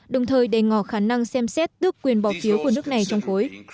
đồng thời đề ngò khả năng xem xét tước quyền bỏ phiếu của nước này trong khối